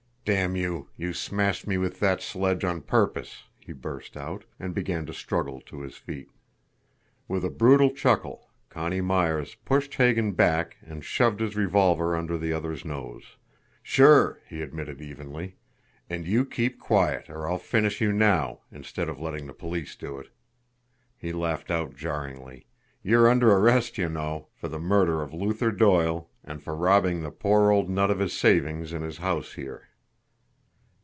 "Damn you, you smashed me with that sledge on PURPOSE!" he burst out and began to struggle to his feet. With a brutal chuckle, Connie Myers pushed Hagan back and shoved his revolver under the other's nose. "Sure!" he admitted evenly. "And you keep quiet, or I'll finish you now instead of letting the police do it!" He laughed out jarringly. "You're under arrest, you know, for the murder of Luther Doyle, and for robbing the poor old nut of his savings in his house here."